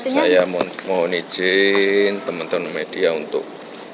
saya mohon izin teman teman media untuk